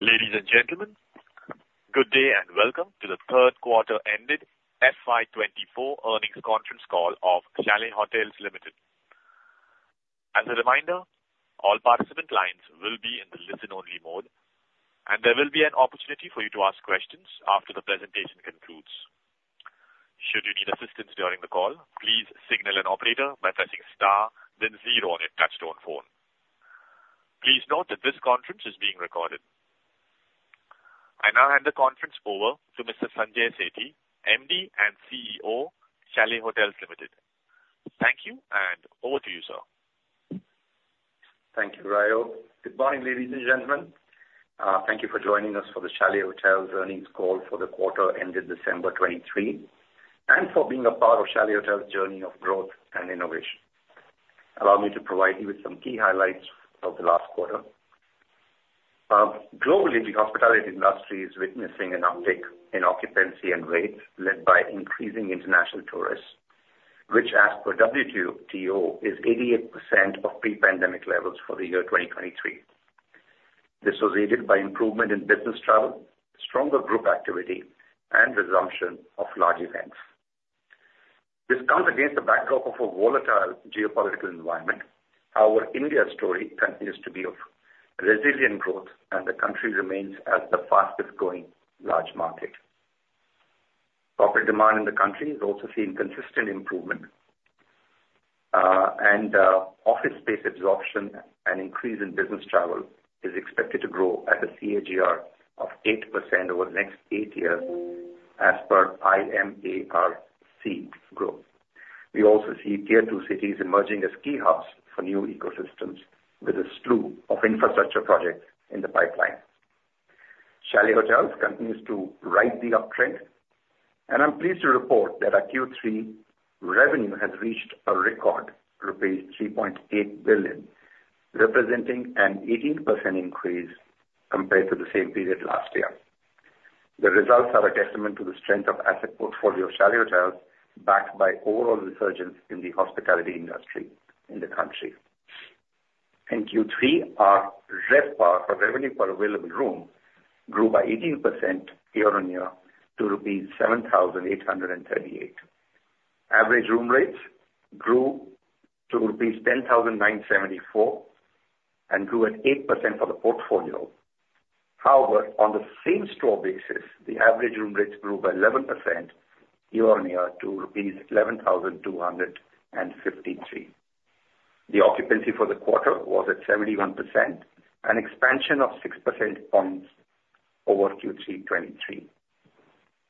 Ladies and gentlemen, good day and welcome to The Third Quarter ended FY 2024 Earnings Conference Call of Chalet Hotels Limited. As a reminder, all participant lines will be in the listen-only mode, and there will be an opportunity for you to ask questions after the presentation concludes. Should you need assistance during the call, please signal an operator by pressing star then zero on your touch-tone phone. Please note that this conference is being recorded. I now hand the conference over to Mr. Sanjay Sethi, MD and CEO, Chalet Hotels Limited. Thank you, and over to you, sir. Thank you, Rayo. Good morning, ladies and gentlemen. Thank you for joining us for the Chalet Hotels earnings call for the quarter ended December 2023, and for being a part of Chalet Hotels' journey of growth and innovation. Allow me to provide you with some key highlights of the last quarter. Globally, the hospitality industry is witnessing an uptick in occupancy and rates led by increasing international tourists, which as per WTO, is 88% of pre-pandemic levels for the year 2023. This was aided by improvement in business travel, stronger group activity, and resumption of large events. This comes against the backdrop of a volatile geopolitical environment. Our India story continues to be of resilient growth, and the country remains as the fastest growing large market. Corporate demand in the country has also seen consistent improvement. Office space absorption and increase in business travel is expected to grow at a CAGR of 8% over the next eight years as per IMARC Group. We also see tier two cities emerging as key hubs for new ecosystems, with a slew of infrastructure projects in the pipeline. Chalet Hotels continues to ride the uptrend, and I'm pleased to report that our Q3 revenue has reached a record rupees 3.8 billion, representing an 18% increase compared to the same period last year. The results are a testament to the strength of asset portfolio of Chalet Hotels, backed by overall resurgence in the hospitality industry in the country. In Q3, our RevPAR, or revenue per available room, grew by 18% year-on-year to rupees 7,838. Average room rates grew to rupees 10,974 and grew at 8% for the portfolio. However, on the same store basis, the average room rates grew by 11% year-on-year to rupees 11,253. The occupancy for the quarter was at 71%, an expansion of six percent points over Q3 2023,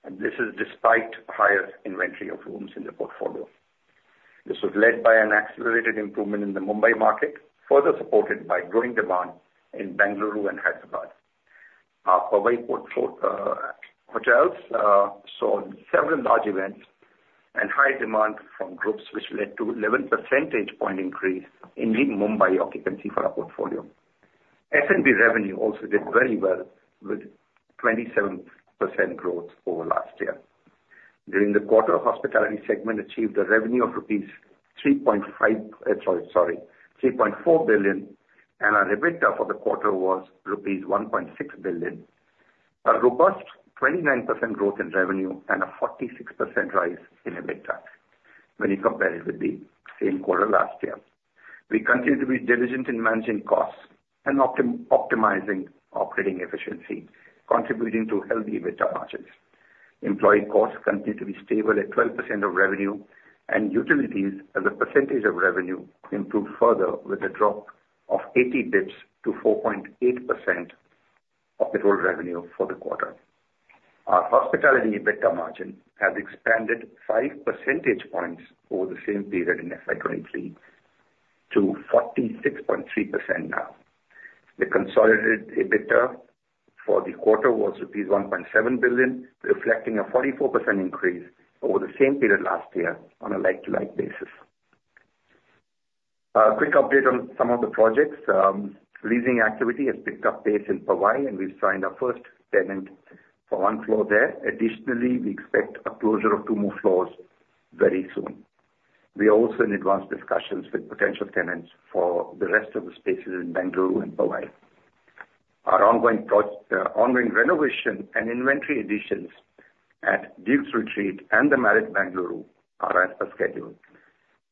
and this is despite higher inventory of rooms in the portfolio. This was led by an accelerated improvement in the Mumbai market, further supported by growing demand in Bengaluru and Hyderabad. Our Powai hotels saw several large events and high demand from groups, which led to eleven percentage point increase in Lake Mumbai occupancy for our portfolio. F&B revenue also did very well with 27% growth over last year. During the quarter, hospitality segment achieved a revenue of rupees 3.5... Three point four billion, and our EBITDA for the quarter was rupees 1.6 billion. A robust 29% growth in revenue and a 46% rise in EBITDA when you compare it with the same quarter last year. We continue to be diligent in managing costs and optimizing operating efficiency, contributing to healthy EBITDA margins. Employee costs continue to be stable at 12% of revenue, and utilities as a percentage of revenue, improved further with a drop of 80 basis points to 4.8% of the total revenue for the quarter. Our hospitality EBITDA margin has expanded five percentage points over the same period in FY 2023 to 46.3% now. The consolidated EBITDA for the quarter was rupees 1.7 billion, reflecting a 44% increase over the same period last year on a like-to-like basis. A quick update on some of the projects. Leasing activity has picked up pace in Powai, and we've signed our first tenant for one floor there. Additionally, we expect a closure of two more floors very soon. We are also in advanced discussions with potential tenants for the rest of the spaces in Bengaluru and Powai. Our ongoing renovation and inventory additions at Dukes Retreat and the Marriott Bengaluru are as per schedule.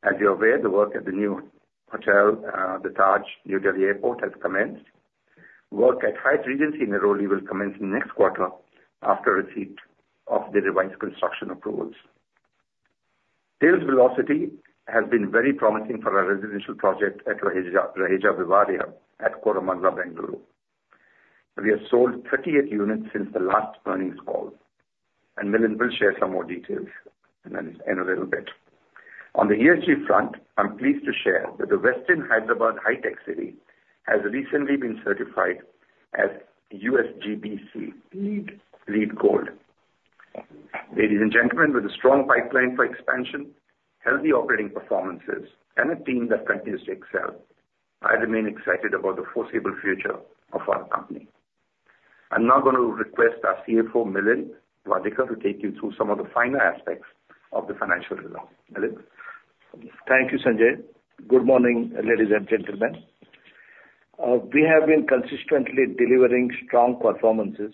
As you're aware, the work at the new hotel, the Taj New Delhi Airport, has commenced. Work at Hyatt Regency in Airoli will commence next quarter after receipt of the revised construction approvals. Sales velocity has been very promising for our residential project at Raheja Vivarea at Koramangala, Bengaluru. We have sold 38 units since the last earnings call, and Milind will share some more details in a little bit. On the ESG front, I'm pleased to share that the Westin Hyderabad HITEC City has recently been certified as USGBC LEED, LEED Gold. Ladies and gentlemen, with a strong pipeline for expansion, healthy operating performances, and a team that continues to excel, I remain excited about the foreseeable future of our company. I'm now going to request our CFO, Milind Wadekar, to take you through some of the finer aspects of the financial results. Milind? Thank you, Sanjay. Good morning, ladies and gentlemen. We have been consistently delivering strong performances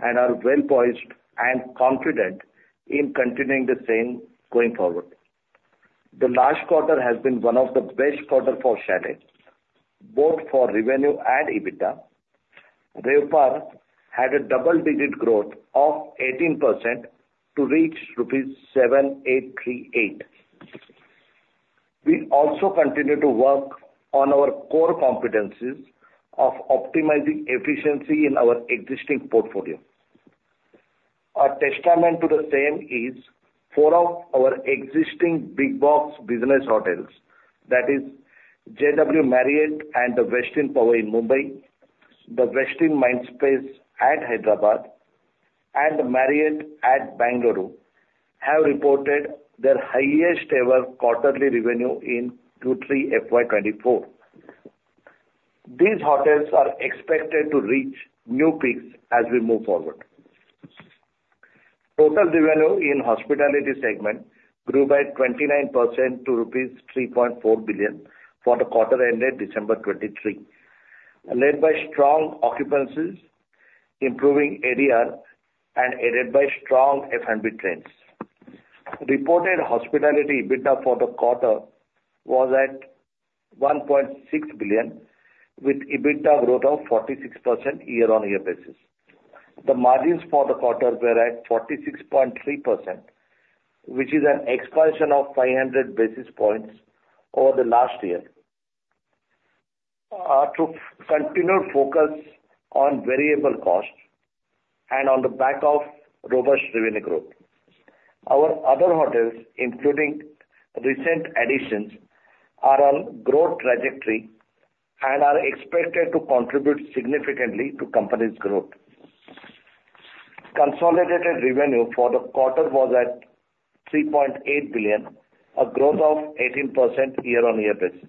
and are well poised and confident in continuing the same going forward. The last quarter has been one of the best quarter for Chalet, both for revenue and EBITDA. RevPAR had a double-digit growth of 18% to reach rupees 7,838. We also continue to work on our core competencies of optimizing efficiency in our existing portfolio. A testament to the same is four of our existing big box business hotels, that is JW Marriott and The Westin Powai in Mumbai, The Westin Mindspace at Hyderabad, and Marriott at Bengaluru, have reported their highest ever quarterly revenue in Q3 FY 2024. These hotels are expected to reach new peaks as we move forward. Total revenue in hospitality segment grew by 29% to rupees 3.4 billion for the quarter ended December 2023, led by strong occupancies, improving ADR and aided by strong F&B trends. Reported hospitality EBITDA for the quarter was at 1.6 billion, with EBITDA growth of 46% year-on-year basis. The margins for the quarter were at 46.3%, which is an expansion of 500 basis points over the last year, through continued focus on variable costs and on the back of robust revenue growth. Our other hotels, including recent additions, are on growth trajectory and are expected to contribute significantly to company's growth. Consolidated revenue for the quarter was at 3.8 billion, a growth of 18% year-on-year basis.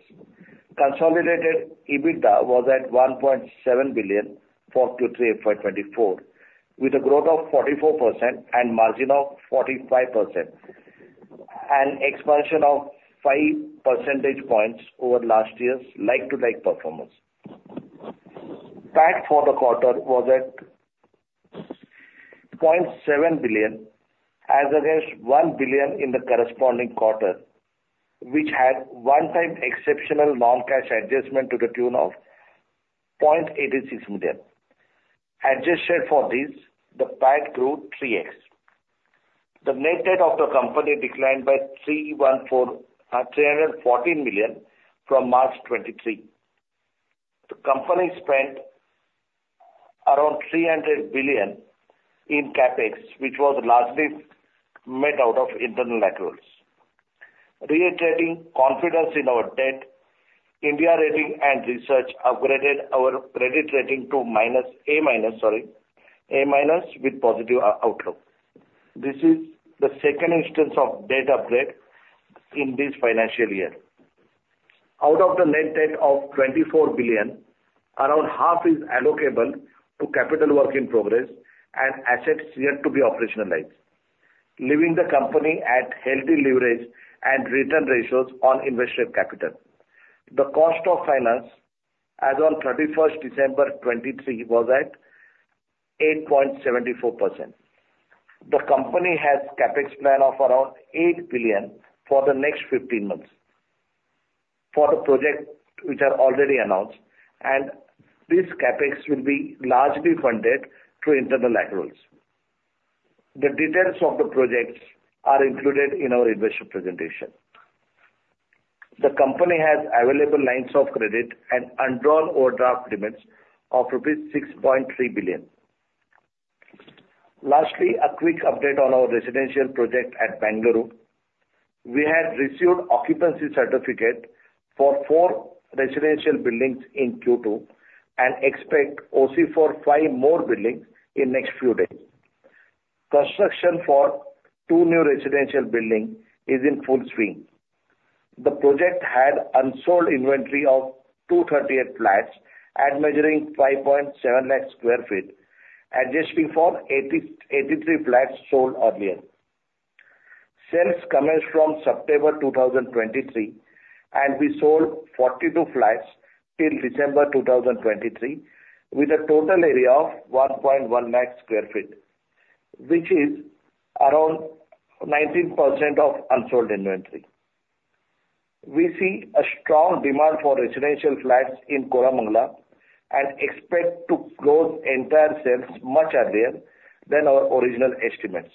Consolidated EBITDA was at 1.7 billion for Q3 FY 2024, with a growth of 44% and margin of 45%, an expansion of 5 percentage points over last year's like-for-like performance. PAT for the quarter was at 0.7 billion, as against 1 billion in the corresponding quarter, which had one-time exceptional non-cash adjustment to the tune of 0.86 million. Adjusted for this, the PAT grew 3x. The net debt of the company declined by 314 million from March 2023. The company spent around 300 billion in CapEx, which was largely made out of internal accruals. Reiterating confidence in our debt, India Ratings and Research upgraded our credit rating to A-, sorry, A- with positive outlook. This is the second instance of debt upgrade in this financial year. Out of the net debt of 24 billion, around half is allocable to capital work in progress and assets yet to be operationalized, leaving the company at healthy leverage and return ratios on invested capital. The cost of finance as on thirty-first December 2023, was at 8.74%. The company has CapEx plan of around 8 billion for the next 15 months for the projects which are already announced, and this CapEx will be largely funded through internal accruals. The details of the projects are included in our investor presentation. The company has available lines of credit and undrawn overdraft limits of rupees 6.3 billion. Lastly, a quick update on our residential project at Bengaluru. We have received occupancy certificate for 4 residential buildings in Q2, and expect OC for 5 more buildings in next few days. Construction for 2 new residential buildings is in full swing. The project had unsold inventory of 238 flats measuring 5.7 lakh sq ft, adjusting for 83 flats sold earlier. Sales commenced from September 2023, and we sold 42 flats till December 2023, with a total area of 1.1 lakh sq ft, which is around 19% of unsold inventory. We see a strong demand for residential flats in Koramangala and expect to close entire sales much earlier than our original estimates.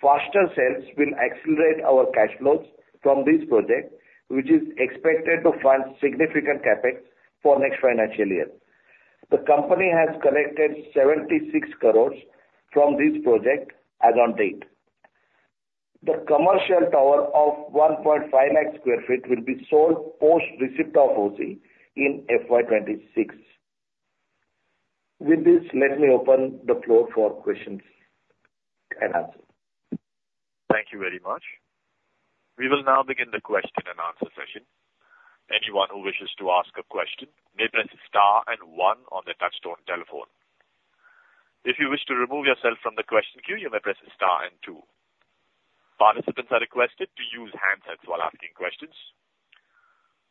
Faster sales will accelerate our cash flows from this project, which is expected to fund significant CapEx for next financial year. The company has collected 76 crore from this project as on date. The commercial tower of 1.5 lakh sq ft will be sold post receipt of OC in FY 2026. With this, let me open the floor for questions and answers. Thank you very much. We will now begin the question and answer session. Anyone who wishes to ask a question may press star and one on their touchtone telephone.... If you wish to remove yourself from the question queue, you may press star and two. Participants are requested to use handsets while asking questions.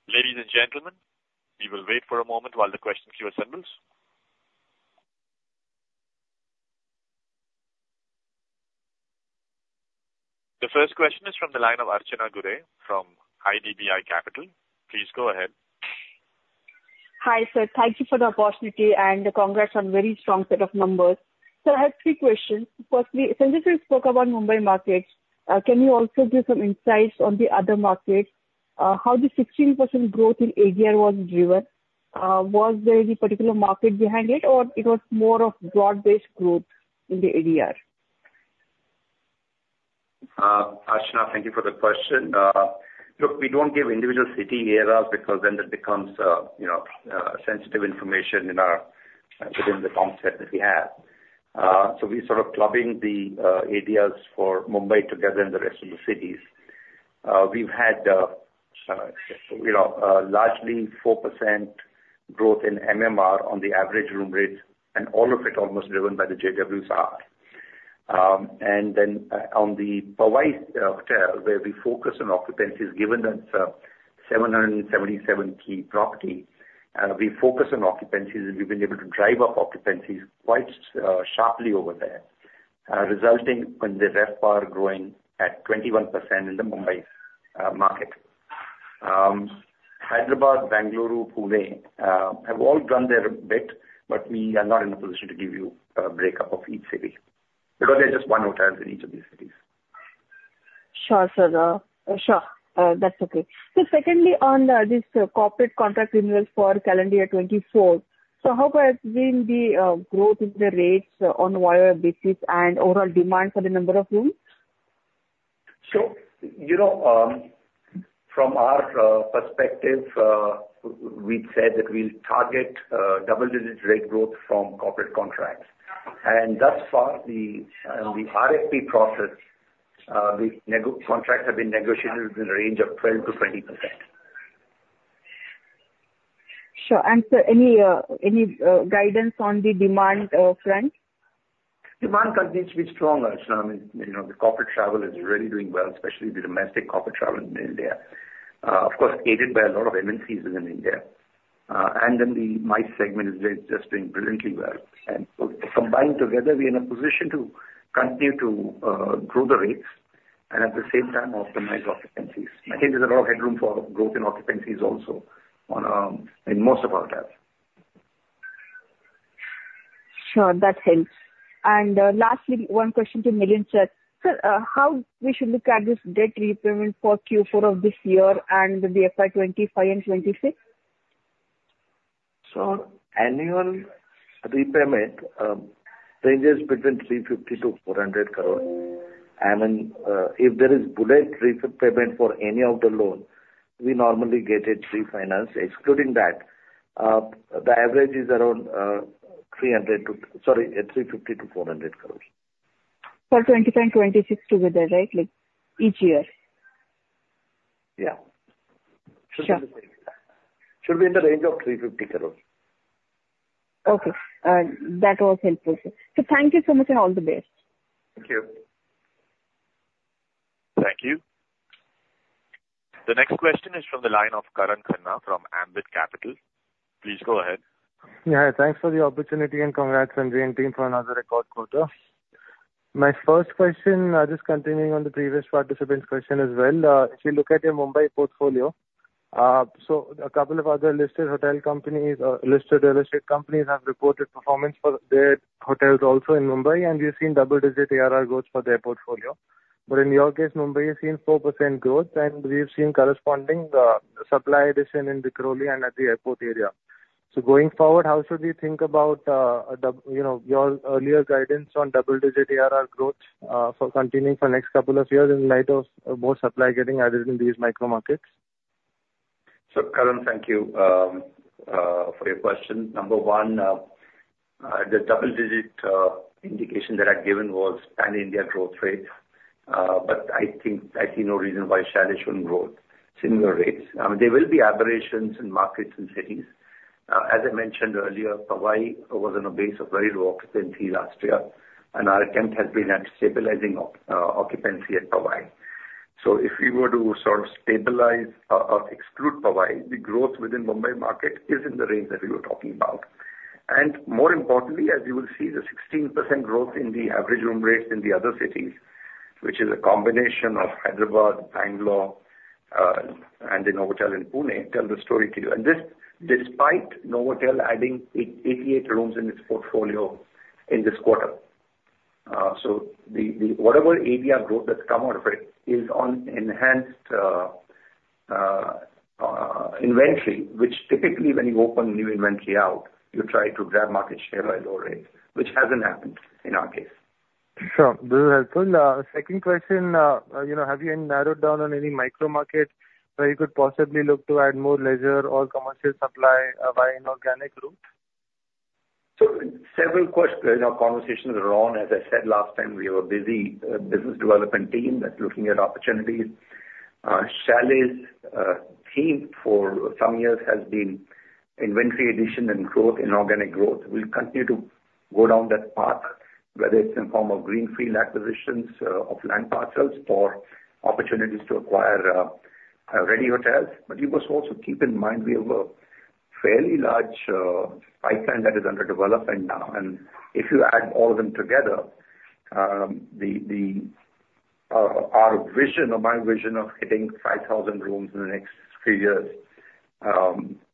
Ladies and gentlemen, we will wait for a moment while the question queue assembles. The first question is from the line of Archana Gude from IDBI Capital. Please go ahead. Hi, sir. Thank you for the opportunity, and congrats on very strong set of numbers. I have three questions. Firstly, Sanjay, you spoke about Mumbai markets. Can you also give some insights on the other markets? How the 16% growth in ADR was driven? Was there any particular market behind it, or it was more of broad-based growth in the ADR? Archana, thank you for the question. Look, we don't give individual city ADRs because then that becomes, you know, sensitive information in our, within the concept that we have. So we're sort of clubbing the ADRs for Mumbai together and the rest of the cities. We've had, you know, largely 4% growth in MMR on the average room rate, and all of it almost driven by the JW Sahar. And then, on the Powai hotel, where we focus on occupancies, given that it's a 777-key property, we focus on occupancies, and we've been able to drive up occupancies quite sharply over there, resulting in the RevPAR growing at 21% in the Mumbai market. Hyderabad, Bengaluru, Pune, have all done their bit, but we are not in a position to give you a breakup of each city, because there's just one hotel in each of these cities. Sure, sir. Sure, that's okay. So secondly, on this corporate contract renewals for calendar 2024, so how has been the growth in the rates on year-over-year basis and overall demand for the number of rooms? You know, from our perspective, we've said that we'll target double-digit rate growth from corporate contracts. Thus far, the RFP process, the contracts have been negotiated within a range of 12%-20%. Sure. And sir, any guidance on the demand front? Demand continues to be strong, Archana. I mean, you know, the corporate travel is really doing well, especially the domestic corporate travel in India. Of course, aided by a lot of MNCs within India. And then the MICE segment is just doing brilliantly well. And so combined together, we're in a position to continue to grow the rates and at the same time optimize occupancies. I think there's a lot of headroom for growth in occupancies also on, in most of our hotels. Sure, that helps. Last, one question to Milind, sir. Sir, how we should look at this debt repayment for Q4 of this year and the FY 2025 and 2026? So annual repayment ranges between 350-400 crore. And then, if there is bullet repayment for any of the loans, we normally get it refinanced. Excluding that, the average is around, Sorry, 350-400 crores. For 2025 and 2026 together, right? Like, each year. Yeah. Sure. Should be in the range of 350 crore. Okay. That was helpful, sir. So thank you so much, and all the best. Thank you. Thank you. The next question is from the line of Karan Khanna from Ambit Capital. Please go ahead. Yeah, thanks for the opportunity, and congrats, Sanjay and team, for another record quarter. My first question, just continuing on the previous participant's question as well. If you look at your Mumbai portfolio, so a couple of other listed hotel companies, listed real estate companies, have reported performance for their hotels also in Mumbai, and we've seen double-digit ARR growth for their portfolio. But in your case, Mumbai has seen 4% growth, and we've seen corresponding supply addition in the Turbhe and at the airport area. So going forward, how should we think about, you know, your earlier guidance on double-digit ARR growth for continuing for next couple of years in light of more supply getting added in these micro markets? So Karan, thank you for your question. Number one, the double digit indication that I'd given was pan-India growth rate, but I think I see no reason why Sahar shouldn't grow similar rates. There will be aberrations in markets and cities. As I mentioned earlier, Powai was on a base of very low occupancy last year, and our attempt has been at stabilizing occupancy at Powai. So if we were to sort of stabilize or exclude Powai, the growth within Mumbai market is in the range that we were talking about. More importantly, as you will see, the 16% growth in the average room rates in the other cities, which is a combination of Hyderabad, Bangalore, and the Novotel in Pune, tell the story to you. This, despite Novotel adding 88 rooms in its portfolio in this quarter. The whatever ADR growth that's come out of it is on enhanced inventory, which typically when you open new inventory out, you try to grab market share by lower rates, which hasn't happened in our case. Sure, this is helpful. Second question, you know, have you narrowed down on any micro market where you could possibly look to add more leisure or commercial supply, by inorganic growth? So several conversations are on. As I said last time, we have a busy business development team that's looking at opportunities. Chalet's theme for some years has been inventory addition and growth, inorganic growth. We'll continue to go down that path, whether it's in form of greenfield acquisitions of land parcels or opportunities to acquire ready hotels. But you must also keep in mind, we have a fairly large pipeline that is under development now, and if you add all of them together, our vision or my vision of hitting 5,000 rooms in the next three years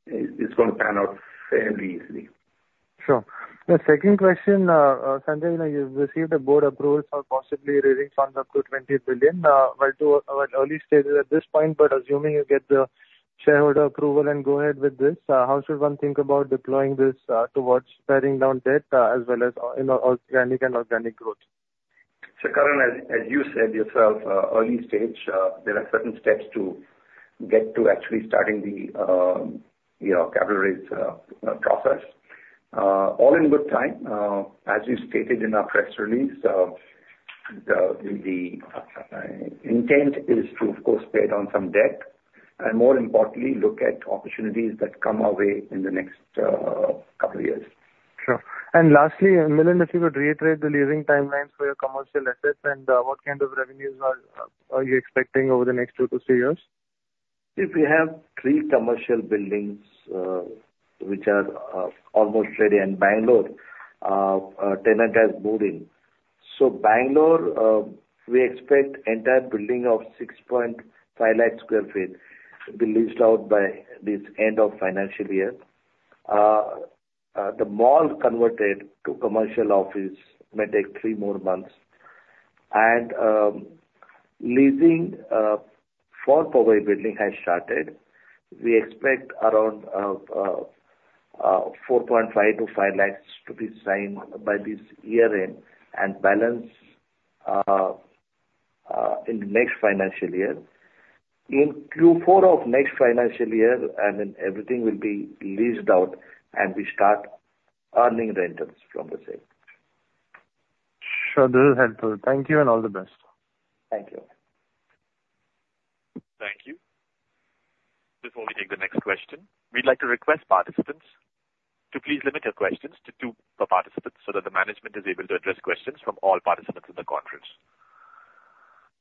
is gonna pan out fairly easily. Sure. The second question, Sanjay, you know, you've received a board approval for possibly raising funds up to 20 billion, but to, at early stages at this point, but assuming you get the shareholder approval and go ahead with this, how should one think about deploying this, towards paring down debt, as well as, you know, organic and inorganic growth? So, Karan, as you said yourself, early stage, there are certain steps to get to actually starting the, you know, capital raise process. All in good time, as we stated in our press release, the intent is to, of course, pay down some debt, and more importantly, look at opportunities that come our way in the next couple of years. Sure. And lastly, Milind, if you could reiterate the leasing timelines for your commercial assets, and what kind of revenues are you expecting over the next two to three years? If we have three commercial buildings, which are almost ready, in Bengaluru, a tenant has moved in. So Bengaluru, we expect entire building of 6.5 lakh sq ft to be leased out by this end of financial year. The mall converted to commercial office may take three more months. Leasing for Powai building has started. We expect around 4.5-5 lakhs to be signed by this year end, and balance in the next financial year. In Q4 of next financial year, and then everything will be leased out, and we start earning rentals from the same. Sure, this is helpful. Thank you, and all the best. Thank you. Thank you. Before we take the next question, we'd like to request participants to please limit your questions to two per participant, so that the management is able to address questions from all participants in the conference.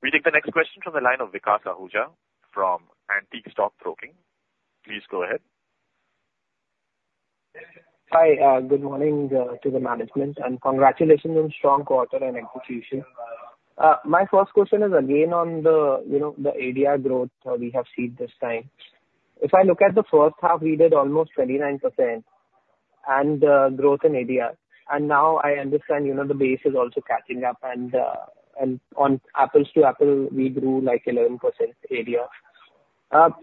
We take the next question from the line of Vikas Ahuja from Antique Stock Broking. Please go ahead. Hi, good morning, to the management, and congratulations on strong quarter and execution. My first question is again on the, you know, the ADR growth, we have seen this time. If I look at the first half, we did almost 29% and, growth in ADR, and now I understand, you know, the base is also catching up, and, and on apples to apples, we grew, like, 11% ADR.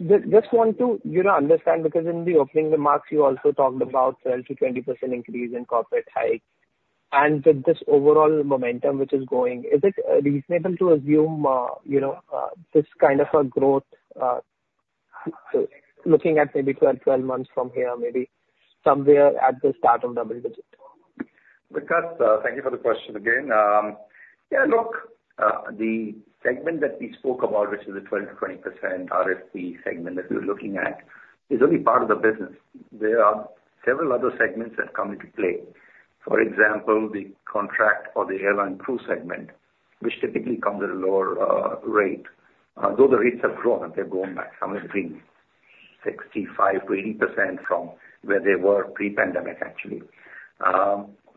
Just, just want to, you know, understand, because in the opening remarks, you also talked about 12%-20% increase in corporate rate. And with this overall momentum which is going, is it reasonable to assume, you know, this kind of a growth, looking at maybe 12, 12 months from here, maybe somewhere at the start of double digit? Vikas, thank you for the question again. Yeah, look, the segment that we spoke about, which is a 12%-20% RFP segment that we're looking at, is only part of the business. There are several other segments that come into play. For example, the contract or the airline crew segment, which typically comes at a lower rate. Although the rates have grown, they've grown by something between 65%-80% from where they were pre-pandemic, actually.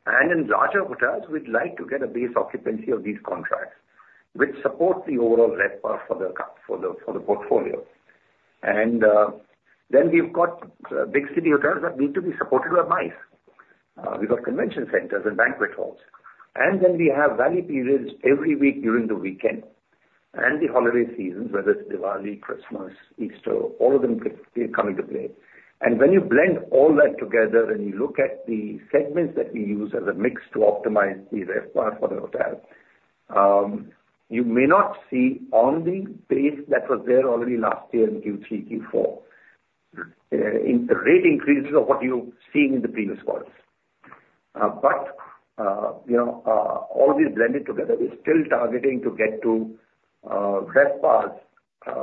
And in larger hotels, we'd like to get a base occupancy of these contracts, which support the overall RevPAR for the portfolio. Then we've got big city hotels that need to be supported by MICE. We've got convention centers and banquet halls. And then we have value periods every week during the weekend and the holiday seasons, whether it's Diwali, Christmas, Easter, all of them come into play. And when you blend all that together, and you look at the segments that we use as a mix to optimize the RevPAR for the hotel, you may not see on the base that was there already last year in Q3, Q4, in the rate increases of what you've seen in the previous quarters. But, you know, all these blended together, we're still targeting to get to RevPARs,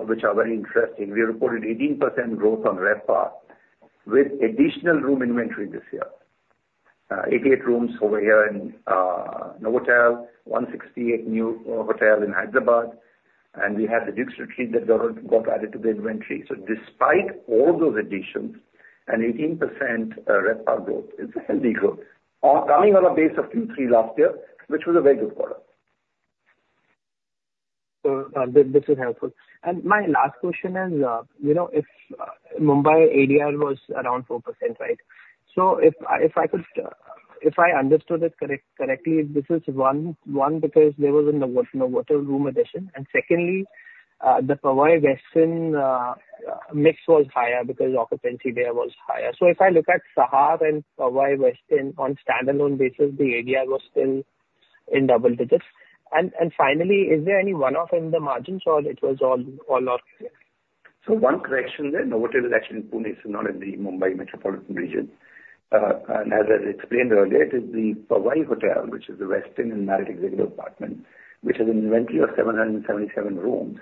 which are very interesting. We reported 18% growth on RevPAR with additional room inventory this year. 88 rooms over here in Novotel, 168 new hotel in Hyderabad, and we had the Dukes Retreat that got added to the inventory. So despite all those additions, an 18% RevPAR growth is a healthy growth, coming on a base of Q3 last year, which was a very good quarter. So, this is helpful. And my last question is, you know, if Mumbai ADR was around 4%, right? So if I could, if I understood it correctly, this is one, because there was a Novotel room addition. And secondly, the Powai Westin mix was higher because occupancy there was higher. So if I look at Sahar and Powai Westin on standalone basis, the ADR was still in double digits. And finally, is there any one-off in the margins or it was all off? So one correction there, Novotel is actually in Pune, it's not in the Mumbai metropolitan region. And as I explained earlier, it is the Powai hotel, which is the Westin and Marriott Executive Apartments, which has an inventory of 777 rooms,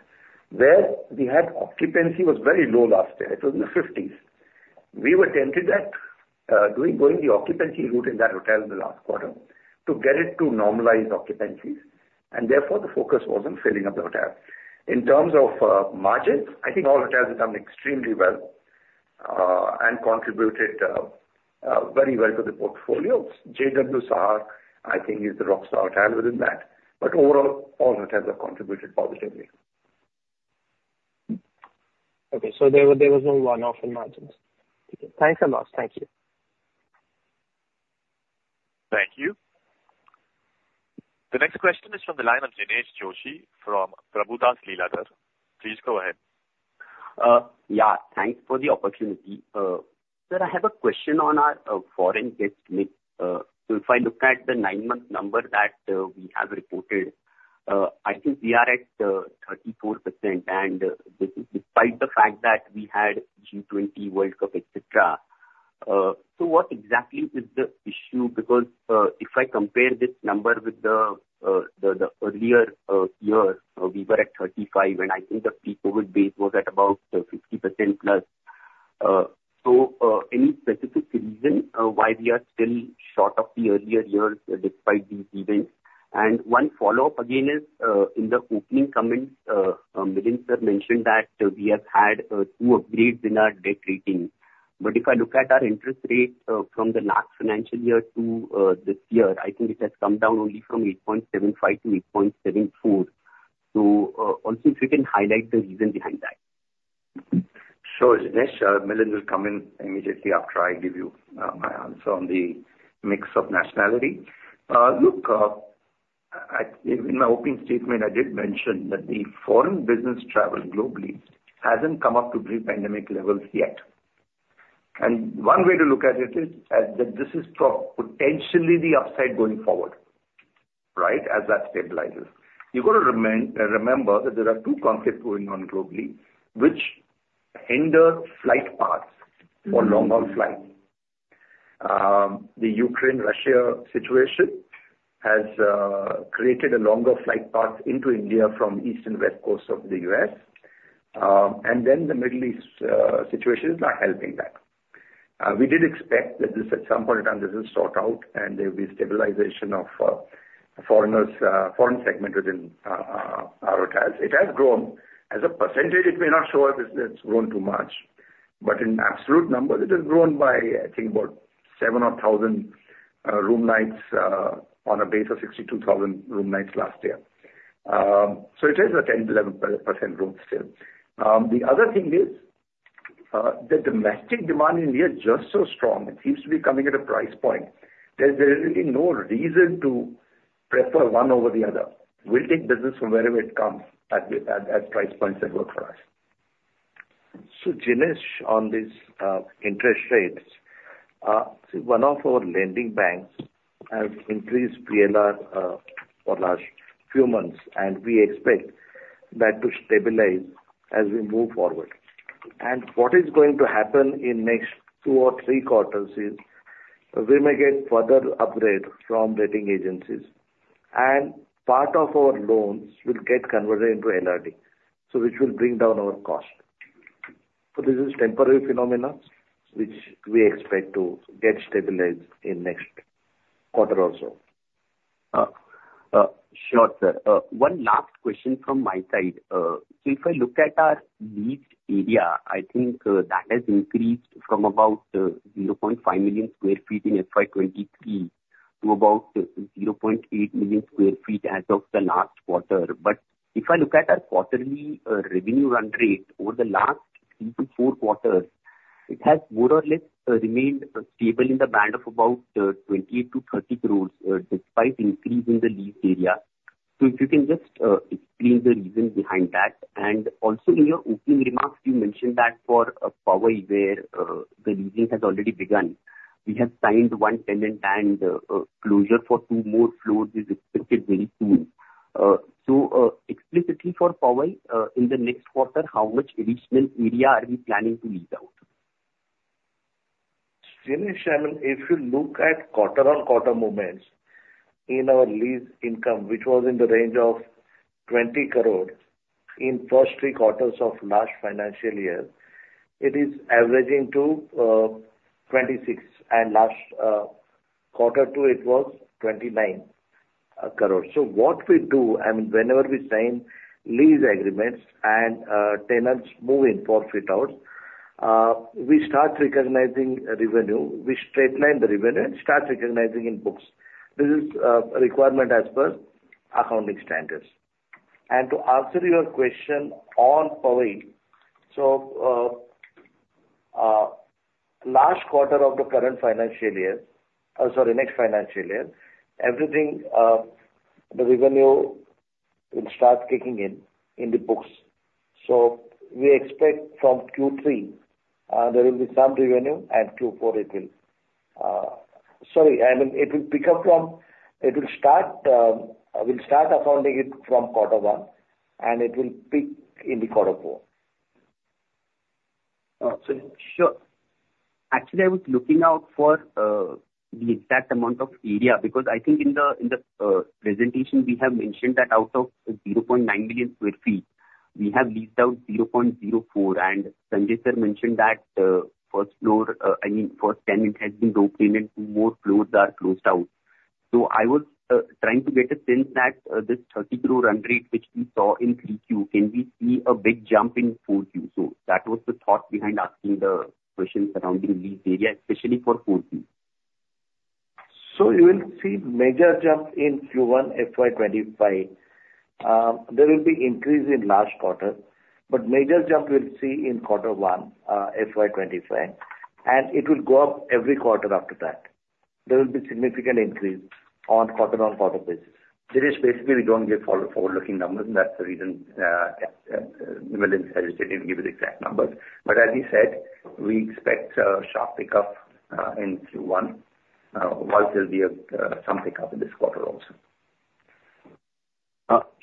where we had occupancy was very low last year. It was in the 50s. We were tempted at doing, going the occupancy route in that hotel in the last quarter to get it to normalize occupancies, and therefore, the focus was on filling up the hotel. In terms of margins, I think all hotels have done extremely well and contributed very well to the portfolio. JW Sahar, I think, is the rockstar hotel within that, but overall, all hotels have contributed positively. Okay, there was no one-off in margins. Thanks a lot. Thank you. Thank you. The next question is from the line of Jinesh Joshi from Prabhudas Lilladher. Please go ahead. Yeah, thanks for the opportunity. Sir, I have a question on our foreign guest mix. So if I look at the nine-month number that we have reported, I think we are at 34%, and this is despite the fact that we had G20, World Cup, etc. So what exactly is the issue? Because if I compare this number with the earlier year, we were at 35, and I think the pre-COVID base was at about 50% plus. So any specific reason why we are still short of the earlier years despite these events? One follow-up again is, in the opening comments, Milind sir mentioned that we have had two upgrades in our debt rating, but if I look at our interest rate from the last financial year to this year, I think it has come down only from 8.75 to 8.74. Also if you can highlight the reason behind that? Sure, Jinesh. Milind will come in immediately after I give you my answer on the mix of nationality. Look, in my opening statement, I did mention that the foreign business travel globally hasn't come up to pre-pandemic levels yet. And one way to look at it is, as that this is for potentially the upside going forward, right? As that stabilizes. You've got to remember that there are two conflicts going on globally, which hinder flight paths for long-haul flats. The Ukraine-Russia situation has created a longer flight path into India from East and West Coast of the US, and then the Middle East situation is not helping that. We did expect that this at some point in time, this is sorted out, and there'll be stabilization of, foreigners, foreign segment within our hotels. It has grown. As a percentage, it may not show us it's grown too much, but in absolute numbers, it has grown by, I think, about 7,000 room nights on a base of 62,000 room nights last year. So it is a 10%-11% growth still. The other thing is, the domestic demand in India is just so strong. It seems to be coming at a price point that there is really no reason to prefer one over the other. We'll take business from wherever it comes at the price points that work for us. So Jinesh, on this, interest rates, so one of our lending banks has increased PLR for last few months, and we expect that to stabilize as we move forward. What is going to happen in next two or three quarters is, we may get further upgrade from rating agencies, and part of our loans will get converted into LRD, so which will bring down our cost. So this is temporary phenomenon, which we expect to get stabilized in next quarter or so. Sure, sir. One last question from my side. So if I look at our leased area, I think that has increased from about 0.5 million sq ft in FY 2023 to about 0.8 million sq ft as of the last quarter. But if I look at our quarterly revenue run rate over the last 3-4 quarters, it has more or less remained stable in the band of about 28 crore-30 crores despite increase in the leased area. So if you can just explain the reason behind that. And also, in your opening remarks, you mentioned that for Powai, where the leasing has already begun, we have signed one tenant and closure for two more floors is expected very soon. So, explicitly for Powai, in the next quarter, how much additional area are we planning to lease out? Jinesh, I mean, if you look at quarter-on-quarter movements in our lease income, which was in the range of 20 crore in first three quarters of last financial year, it is averaging to 26 crore, and last quarter it was 29 crore. So what we do, and whenever we sign lease agreements and tenants move in for fit outs, we start recognizing revenue. We straight line the revenue and start recognizing in books. This is a requirement as per accounting standards. And to answer your question on Powai, so last quarter of the next financial year, everything, the revenue will start kicking in, in the books. So we expect from Q3, there will be some revenue, and Q4 it will- Sorry, I mean, it will pick up from, it will start, we'll start accounting it from quarter one, and it will peak in the quarter four. So, sure. Actually, I was looking out for the exact amount of area, because I think in the, in the presentation, we have mentioned that out of the 0.9 million sq ft, we have leased out 0.04. And Sanjay sir mentioned that first floor, I mean, first 10, it has been done, and then two more floors are closed out. So I was trying to get a sense that this 30 crore run rate, which we saw in Q3, can we see a big jump in Q4? So that was the thought behind asking the question surrounding lease area, especially for Q4. So you will see major jump in Q1, FY 2025. There will be increase in last quarter, but major jump we'll see in quarter one, FY 2025, and it will go up every quarter after that. There will be significant increase on quarter-on-quarter basis. Dilip, basically, we don't give forward-looking numbers, and that's the reason Milind hesitated to give you the exact numbers. But as he said, we expect a sharp pickup in Q1, while there'll be some pickup in this quarter also.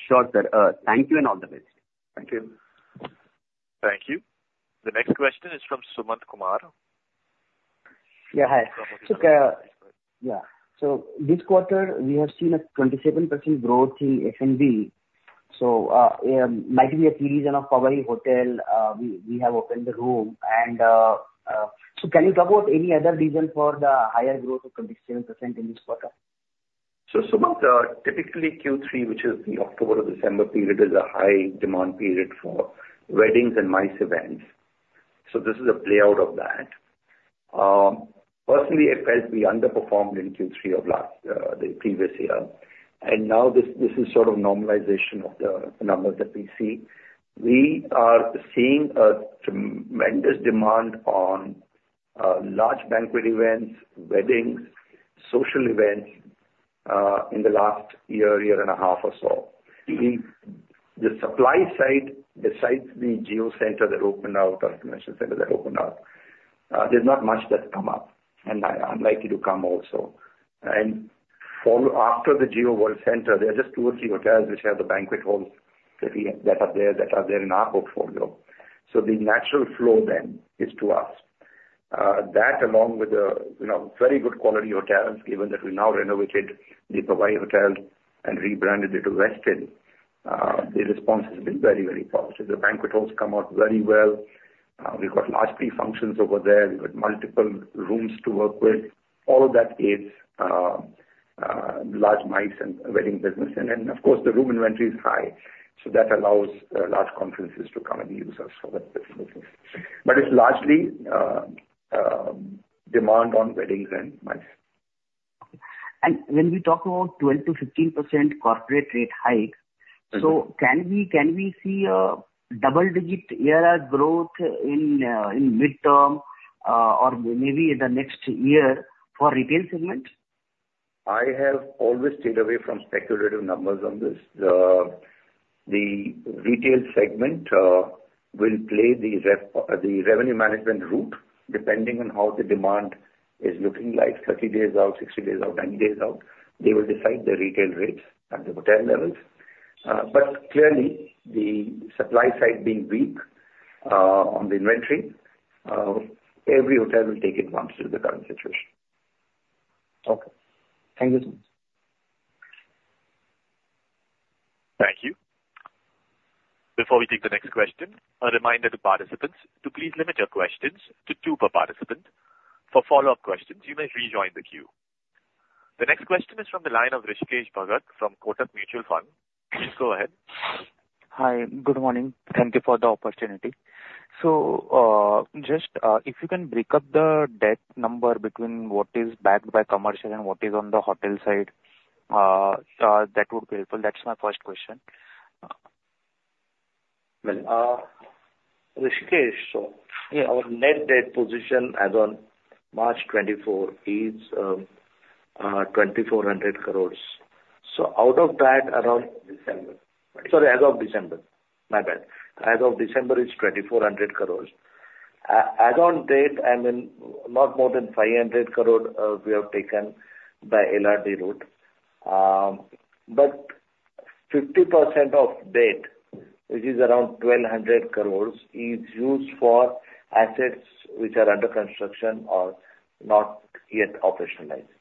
Sure, sir. Thank you and all the best. Thank you. Thank you. The next question is from Sumant Kumar. Yeah, hi. So, yeah, so this quarter we have seen a 27% growth in F&B. So, might be a reason of Powai Hotel, we have opened the room and, so can you talk about any other reason for the higher growth of 27% in this quarter? So, Sumant, typically Q3, which is the October to December period, is a high demand period for weddings and MICE events. So this is a playout of that. Personally, I felt we underperformed in Q3 of last, the previous year, and now this, this is sort of normalization of the numbers that we see. We are seeing a tremendous demand on, large banquet events, weddings, social events, in the last year, year and a half or so. In the supply side, besides the Jio World Centre that opened out or convention center that opened out, there's not much that's come up, and unlikely to come also. And follow after the Jio World Centre, there are just two or three hotels which have the banquet halls that we have, that are there, that are there in our portfolio. So the natural flow then is to us. That along with the, you know, very good quality hotels, given that we now renovated the Powai Hotel and rebranded it to Westin, the response has been very, very positive. The banquet halls come out very well. We've got large pre-functions over there. We've got multiple rooms to work with. All of that aids large MICE and wedding business. And then, of course, the room inventory is high, so that allows large conferences to come and use us for that businesses. But it's largely demand on weddings and MICE. When we talk about 12%-15% corporate rate hike, so can we, can we see a double digit year as growth in, in midterm, or maybe in the next year for retail segment? I have always stayed away from speculative numbers on this. The retail segment will play the rate, the revenue management route, depending on how the demand is looking like, 30 days out, 60 days out, 90 days out, they will decide the retail rates at the hotel levels. But clearly, the supply side being weak, on the inventory, every hotel will take advantage of the current situation. Okay. Thank you so much. Thank you. Before we take the next question, a reminder to participants to please limit your questions to two per participant. For follow-up questions, you may rejoin the queue. The next question is from the line of Hrishikesh Bhagat from Kotak Mutual Fund. Please go ahead. Hi, good morning. Thank you for the opportunity. Just, if you can break up the debt number between what is backed by commercial and what is on the hotel side, that would be helpful. That's my first question. Well, Hrishikesh, so- Yeah. Our net debt position as on March 2024 is 2,400 crore. So out of that, December. Sorry, my bad. As of December, it's 2,400 crore. As on date, I mean, not more than 500 crore, we have taken the LRD route. But 50% of debt, which is around 1,200 crore, is used for assets which are under construction or not yet operationalized.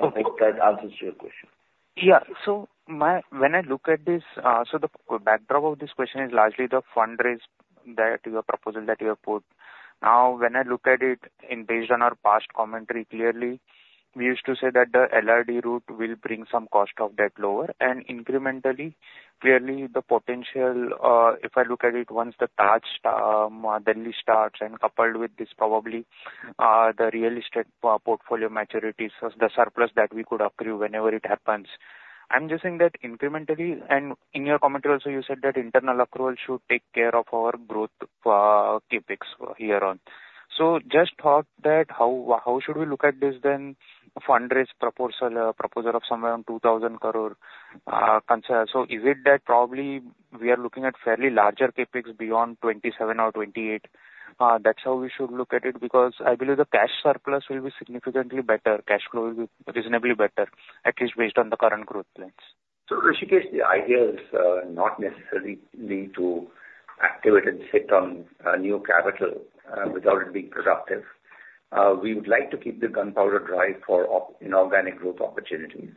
Okay. I hope that answers your question. Yeah. So my, when I look at this, the backdrop of this question is largely the fundraise proposal that you have put. Now, when I look at it and based on our past commentary, clearly, we used to say that the LRD route will bring some cost of debt lower and incrementally, clearly, the potential, if I look at it, once the Taj Delhi starts and coupled with this probably the real estate portfolio maturities, so the surplus that we could accrue whenever it happens. I'm just saying that incrementally, and in your commentary also, you said that internal accrual should take care of our growth CapEx here on. So just thought that how should we look at this then, fundraise proposal of somewhere around 2,000 crore? Concern. So is it that probably we are looking at fairly larger CapEx beyond 2027 or 2028? That's how we should look at it, because I believe the cash surplus will be significantly better, cash flow will be reasonably better, at least based on the current growth plans. So, Hrishikesh, the idea is not necessarily to activate and sit on new capital without it being productive. We would like to keep the gunpowder dry for inorganic growth opportunities.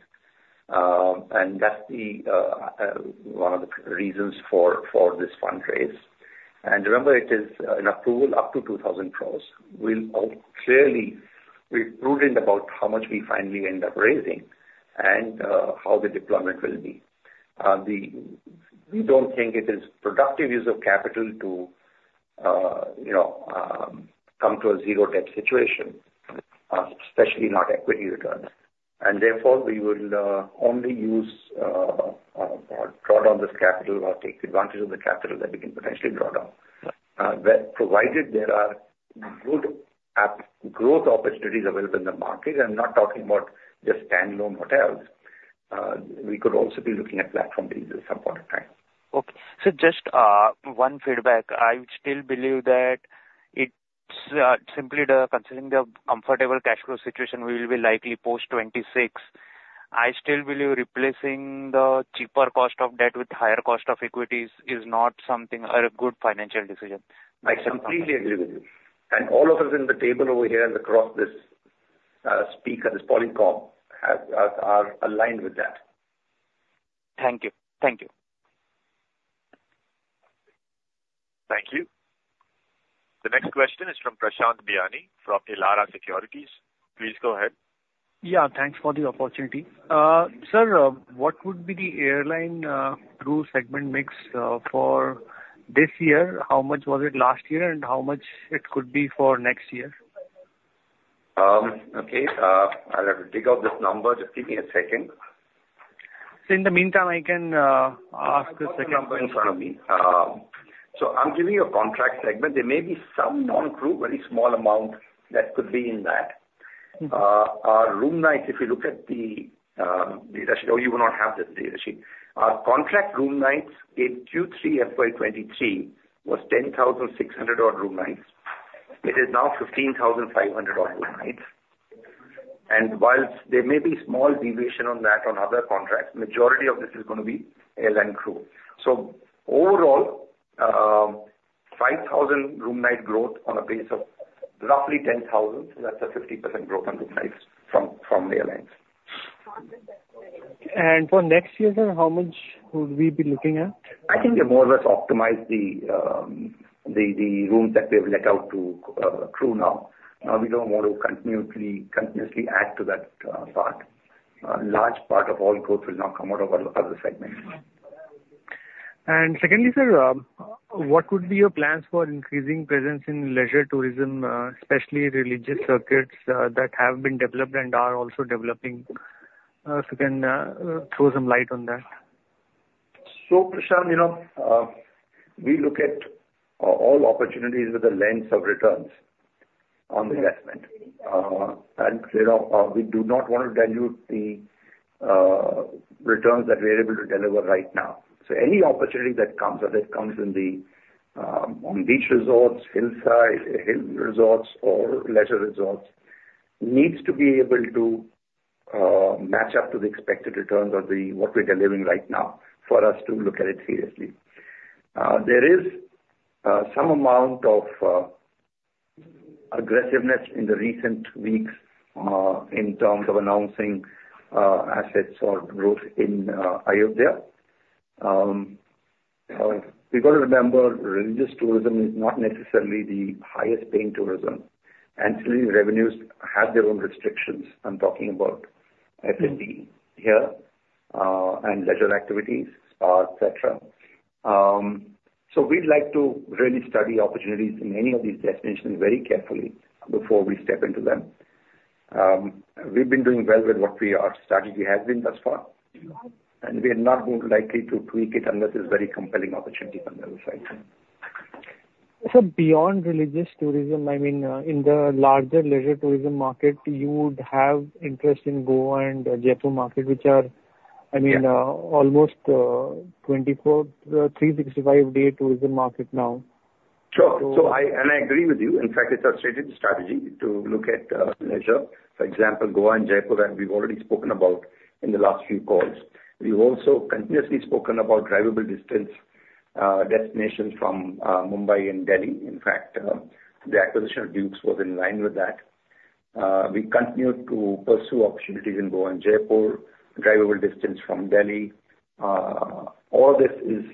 And that's one of the reasons for this fundraise. And remember, it is an approval up to 2,000 crore. We'll clearly be prudent about how much we finally end up raising and how the deployment will be. We don't think it is productive use of capital to, you know, come to a zero debt situation, especially not equity returns. And therefore, we would only use draw down this capital or take advantage of the capital that we can potentially draw down. That provided there are good growth opportunities available in the market, I'm not talking about just standalone hotels, we could also be looking at platform deals at some point in time. Okay. So just one feedback. I would still believe that it's simply considering the comfortable cash flow situation, we will be likely post-2026. I still believe replacing the cheaper cost of debt with higher cost of equities is not something, or a good financial decision. I completely agree with you. All of us at the table over here and across this speaker, this Polycom, are aligned with that. Thank you. Thank you. Thank you. The next question is from Prashant Biyani, from Elara Securities. Please go ahead. Yeah, thanks for the opportunity. Sir, what would be the airline crew segment mix for this year? How much was it last year, and how much it could be for next year? Okay. I'll have to dig out this number. Just give me a second. Sir, in the meantime, I can ask a second- I've got the number in front of me. So I'm giving you a contract segment. There may be some non-crew, very small amount that could be in that. Mm-hmm. Our room nights, if you look at the data sheet, oh, you will not have the data sheet. Our contract room nights in Q3 FY 2023 was 10,600 odd room nights. It is now 15,500 odd room nights. And whilst there may be small deviation on that on other contracts, majority of this is gonna be airline crew. So overall, 5,000 room night growth on a base of roughly 10,000, so that's a 50% growth on room nights from the airlines. For next year, sir, how much would we be looking at? I think we've more or less optimized the rooms that we have let out to crew now. Now, we don't want to continuously add to that part. A large part of all growth will now come out of our other segments. And secondly, sir, what would be your plans for increasing presence in leisure tourism, especially religious circuits, that have been developed and are also developing? So if you can, throw some light on that. Prashant, you know, we look at all opportunities with the lens of returns on investment. Mm-hmm. And, you know, we do not want to dilute the returns that we are able to deliver right now. So any opportunity that comes, whether it comes in the on beach resorts, hillside, hill resorts, or leisure resorts, needs to be able to match up to the expected returns or the what we're delivering right now, for us to look at it seriously. There is some amount of aggressiveness in the recent weeks in terms of announcing assets or growth in Ayodhya. We've got to remember, religious tourism is not necessarily the highest paying tourism. Ancillary revenues have their own restrictions. I'm talking about F&B here, and leisure activities, spa, et cetera. So we'd like to really study opportunities in any of these destinations very carefully before we step into them. We've been doing well with what our strategy has been thus far, and we are not likely to tweak it unless there's very compelling opportunity on the other side. Sir, beyond religious tourism, I mean, in the larger leisure tourism market, you would have interest in Goa and Jaipur market, which are, I mean- Yeah.... almost 24/365-day tourism market now. Sure. So- And I agree with you. In fact, it's our stated strategy to look at leisure. For example, Goa and Jaipur, that we've already spoken about in the last few calls. We've also continuously spoken about drivable distance destinations from Mumbai and Delhi. In fact, the acquisition of Dukes was in line with that. We continue to pursue opportunities in Goa and Jaipur, drivable distance from Delhi. All this is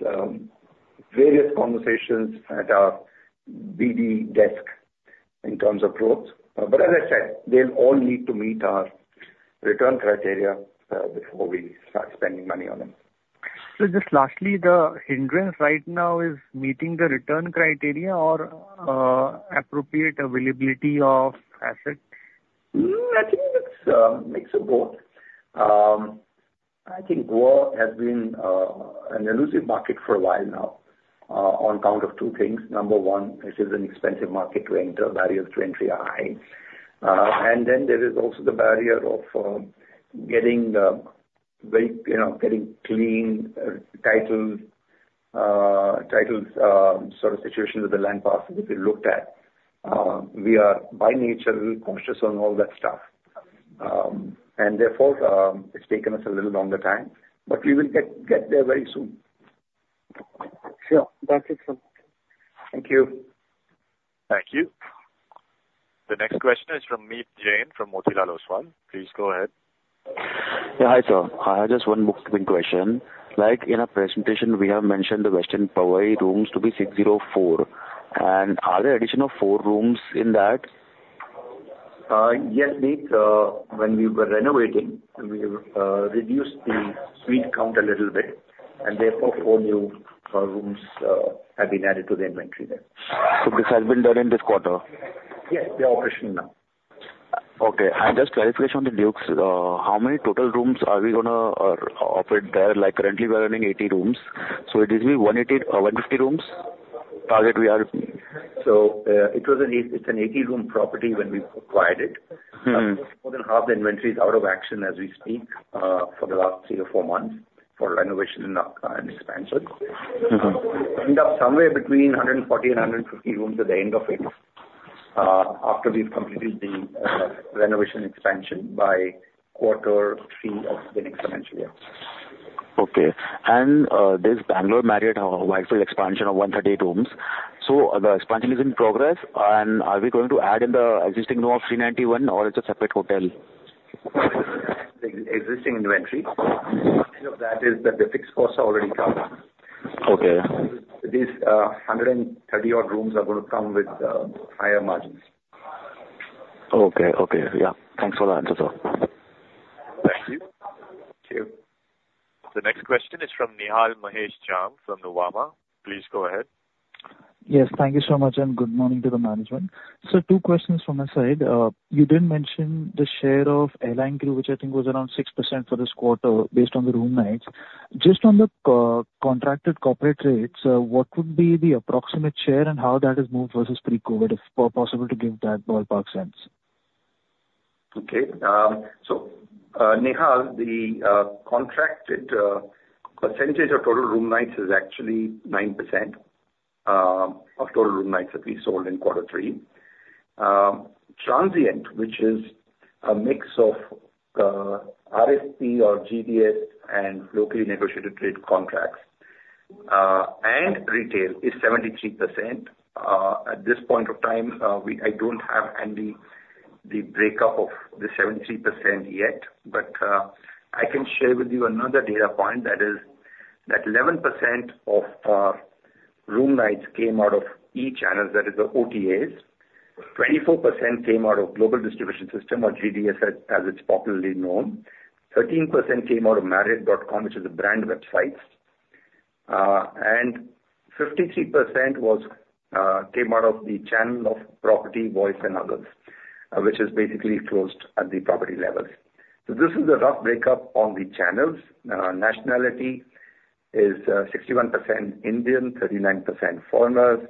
various conversations at our BD desk in terms of growth. But as I said, they'll all need to meet our return criteria before we start spending money on them. Just lastly, the hindrance right now is meeting the return criteria or appropriate availability of assets? No, I think it's a mix of both. I think Goa has been an elusive market for a while now.... on account of two things. Number one, this is an expensive market to enter, barriers to entry are high. And then there is also the barrier of getting the very, you know, getting clean titles sort of situation with the land parcels if we looked at. We are by nature cautious on all that stuff. And therefore, it's taken us a little longer time, but we will get there very soon. Sure. That's it, sir. Thank you. Thank you. The next question is from Meet Jain, from Motilal Oswal. Please go ahead. Yeah, hi, sir. I have just one question. Like in our presentation, we have mentioned the Westin Powai rooms to be 604. And are there addition of 4 rooms in that? Yes, Meet, when we were renovating, we reduced the suite count a little bit, and therefore, 4 new rooms have been added to the inventory there. This has been done in this quarter? Yes, they are operational now. Okay. And just clarification on the Dukes. How many total rooms are we gonna operate there? Like, currently, we are running 80 rooms, so it is be 180, 150 rooms, target we are- It was an, it's an 80-room property when we acquired it. Mm-hmm. More than half the inventory is out of action as we speak, for the last three or four months for renovation and expansion. Mm-hmm. End up somewhere between 140 and 150 rooms at the end of it, after we've completed the renovation expansion by quarter three of the next financial year. Okay. This Bangalore Marriott wide scale expansion of 138 rooms. The expansion is in progress, and are we going to add in the existing room of 391, or it's a separate hotel? The existing inventory. Part of that is that the fixed costs are already covered. Okay. These 130-odd rooms are gonna come with higher margins. Okay, okay. Yeah, thanks for the answer, sir. Thank you. Thank you. The next question is from Nihal Mahesh Jham, from Nuvama. Please go ahead. Yes, thank you so much, and good morning to the management. So two questions from my side. You did mention the share of airline crew, which I think was around 6% for this quarter, based on the room nights. Just on the contracted corporate rates, what would be the approximate share and how that has moved versus pre-COVID, if possible, to give that ballpark sense? Okay. So, Nihal, the contracted percentage of total room nights is actually 9% of total room nights that we sold in quarter three. Transient, which is a mix of RFP or GDS and locally negotiated trade contracts, and retail is 73%. At this point of time, we—I don't have handy the breakup of the 73% yet. But, I can share with you another data point, that is, that 11% of room nights came out of e-channels, that is the OTAs. 24% came out of Global Distribution System, or GDS, as it's popularly known. 13% came out of Marriott.com, which is a brand website. And 53% was came out of the channel of property, voice and others, which is basically closed at the property levels. So this is a rough breakdown on the channels. Nationality is 61% Indian, 39% foreigners.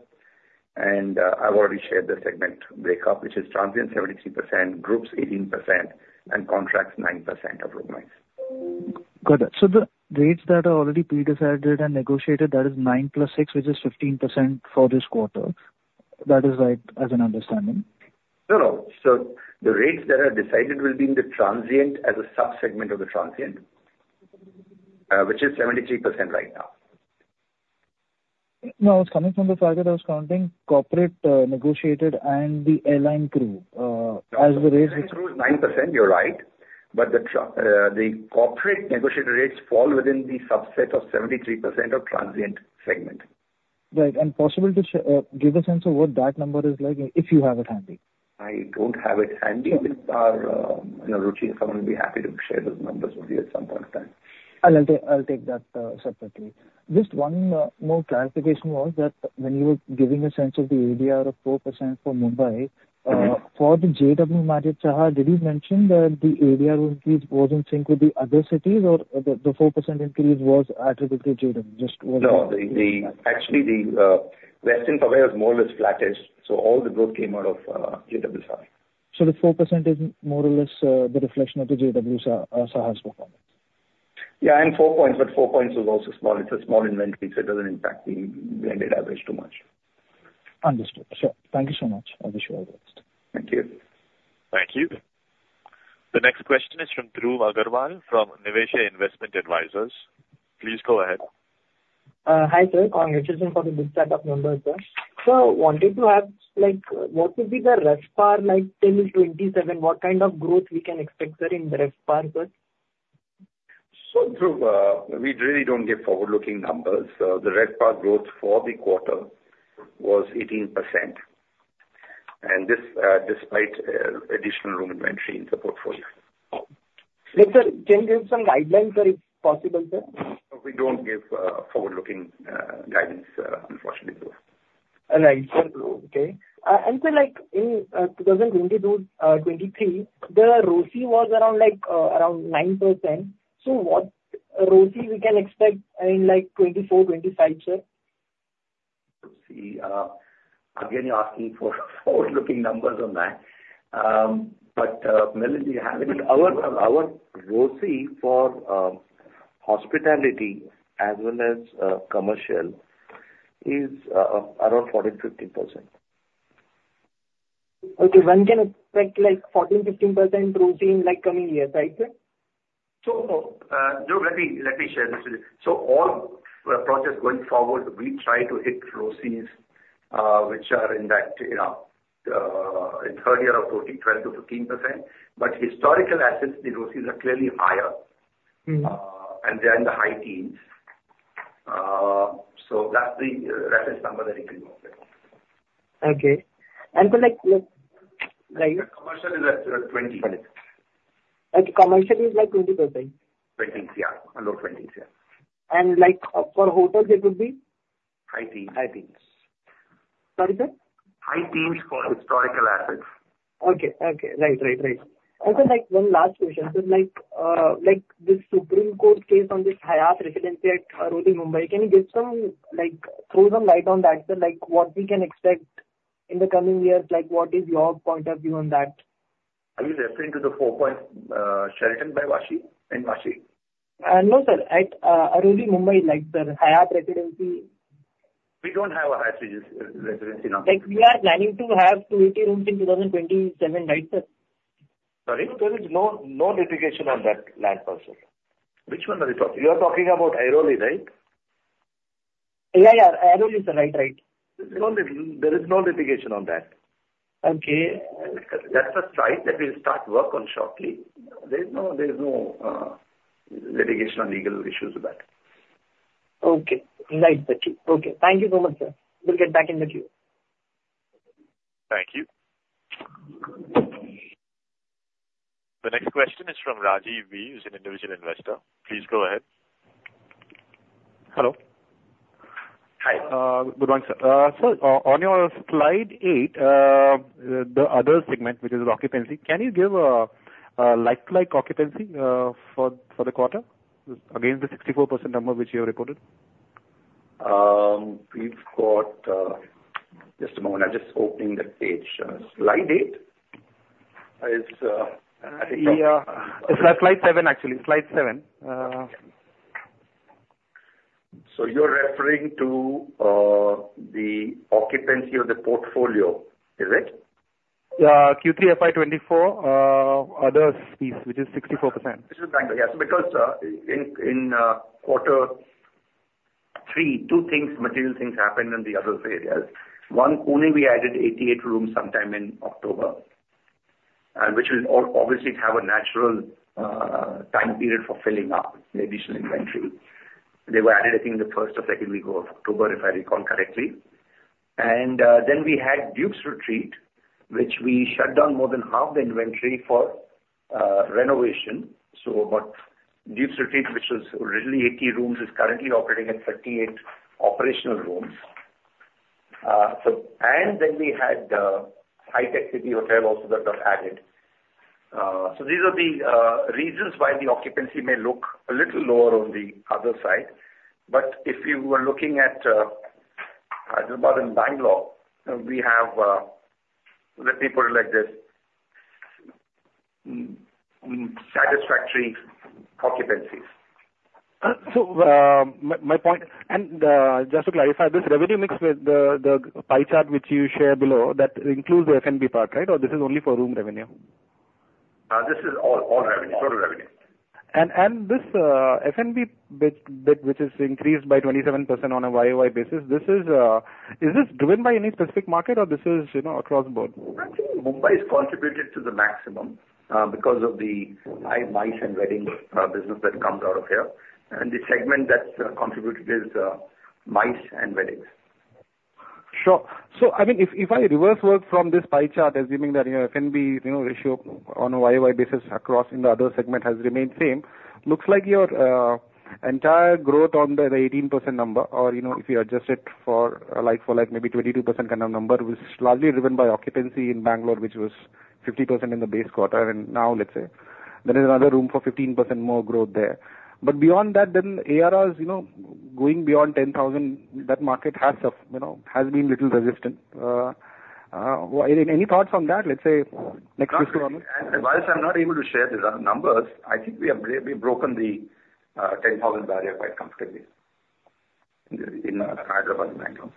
And I've already shared the segment breakdown, which is transient 73%, groups 18%, and contracts 9% of room nights. Got it. So the rates that are already pre-decided and negotiated, that is 9 + 6, which is 15% for this quarter. That is right, as an understanding? No, no. So the rates that are decided will be in the transient, as a subsegment of the transient, which is 73% right now. No, I was coming from the fact that I was counting corporate, negotiated and the airline crew, as the rates- Airline crew is 9%, you're right. But the corporate negotiated rates fall within the subset of 73% of transient segment. Right. And possible to give a sense of what that number is like, if you have it handy? I don't have it handy. With our, you know, routine, I will be happy to share those numbers with you at some point in time. I'll take, I'll take that, separately. Just one more clarification was that when you were giving a sense of the ADR of 4% for Mumbai- Mm-hmm. For the JW Marriott Sahar, did you mention that the ADR was in sync with the other cities, or the 4% increase was attributable to JW? Just- No, actually, the Westin Powai was more or less flattish, so all the growth came out of JW Sahar. So the 4% is more or less the reflection of the JW Saha's performance? Yeah, and Four Points, but Four Points is also small. It's a small inventory, so it doesn't impact the average too much. Understood. Sir, thank you so much. I wish you all the best. Thank you. Thank you. The next question is from Dhruv Agarwal, from Niveshaay Investment Advisors. Please go ahead. Hi, sir. Congratulations for the good set of numbers, sir. Wanted to ask, like, what would be the RevPAR, like, 10-27, what kind of growth we can expect, sir, in the RevPAR, sir? So, Dhruv, we really don't give forward-looking numbers. The RevPAR growth for the quarter was 18%, and this despite additional room inventory in the portfolio. Like, sir, can you give some guidelines, sir, if possible, sir? We don't give forward-looking guidance, unfortunately, Dhruv. A nicer flow, okay? And so like in 2022, 2023, the ROCE was around like around 9%. So what ROCE we can expect in like 2024, 2025, sir? Let's see. Again, you're asking for forward-looking numbers on that. But let me - our, our ROCE for hospitality as well as commercial is around 14%-15%. Okay. One can expect like 14%-15% ROCE in, like, coming years, right, sir? So, Joe, let me, let me share this with you. So all process going forward, we try to hit ROCEs, which are in that, you know, in third year of 14, 12%-15%, but historical assets, the ROCEs are clearly higher. Mm-hmm. They're in the high teens. That's the number that you can go with. Okay. So, like, like, like- Commercial is at 20. Like, commercial is like 20%? 20, yeah. Around 20, yeah. And like, for hotel, it would be? High teens. High teens. Sorry, sir? High teens for historical assets. Okay, okay. Right, right, right. Also, like one last question, so like, like this Supreme Court case on this Hyatt Regency at Airoli, Mumbai, can you give some, like, throw some light on that, sir? Like, what we can expect in the coming years, like what is your point of view on that? Are you referring to the Four Points by Sheraton Vashi, in Vashi? No, sir. At Airoli, Mumbai, like the Hyatt Regency. We don't have a Hyatt Regency in Mumbai. Like, we are planning to have 20 rooms in 2027, right, sir? Sorry, there is no, no litigation on that land parcel. Which one are you talking? You are talking about Airoli, right? Yeah, yeah. Airoli, sir. Right, right. There is no litigation on that. Okay. That's the site that we'll start work on shortly. There's no, there's no, litigation on legal issues with that. Okay. Right, sir. Okay, thank you so much, sir. I'll get back in the queue. Thank you. The next question is from Rajiv V, who's an individual investor. Please go ahead. Hello. Hi. Good morning, sir. So, on your slide eight, the other segment, which is occupancy, can you give a like occupancy for the quarter against the 64% number which you have reported? We've got... Just a moment. I'm just opening that page. Slide eight is, I think- Yeah. Slide seven, actually. Slide seven. So you're referring to the occupancy of the portfolio, is it? Q3 FY 2024 others piece, which is 64%. Which is, yes, because in quarter three, two things, material things happened in the other areas. One, Pune we added 88 rooms sometime in October, which will obviously have a natural time period for filling up the additional inventory. They were added, I think, the first or second week of October, if I recall correctly. And then we had Dukes Retreat, which we shut down more than half the inventory for renovation. So about Dukes Retreat, which was originally 80 rooms, is currently operating at 38 operational rooms. So and then we had Hitec City Hotel also that got added. So these are the reasons why the occupancy may look a little lower on the other side. But if you were looking at Hyderabad and Bangalore, we have let me put it like this, satisfactory occupancies. So, my point, and just to clarify, this revenue mix with the pie chart which you share below, that includes the F&B part, right? Or this is only for room revenue? This is all, all revenue, total revenue. And this F&B bit, which is increased by 27% on a YOY basis, is this driven by any specific market or is this, you know, across the board? Actually, Mumbai has contributed to the maximum, because of the high MICE and wedding business that comes out of here. The segment that's contributed is MICE and weddings. Sure. So, I mean, if, if I reverse work from this pie chart, assuming that, you know, F&B, you know, ratio on a YOY basis across in the other segment has remained same, looks like your entire growth on the 18% number, or, you know, if you adjust it for a like for like maybe 22% kind of number, was largely driven by occupancy in Bengaluru, which was 50% in the base quarter, and now let's say there is another room for 15% more growth there. But beyond that, then ARRs, you know, going beyond 10,000, that market has, you know, has been a little resistant. Any thoughts on that, let's say, next fiscal year? While I'm not able to share the numbers, I think we've broken the 10,000 barrier quite comfortably in Hyderabad and Bangalore.